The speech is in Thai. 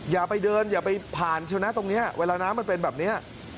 อย่าไปเดินอย่าไปผ่านเชียวนะตรงนี้เวลาน้ำมันเป็นแบบนี้